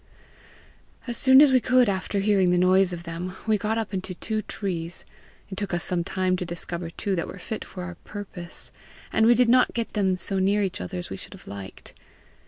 "As soon as we could after hearing the noise of them, we got up into two trees. It took us some time to discover two that were fit for our purpose, and we did not get them so near each other as we should have liked.